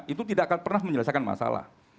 itu tidak akan pernah menyelesaikan masalah